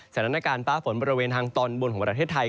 สถานการณ์ฟ้าฝนบริเวณทางตอนบนของประเทศไทย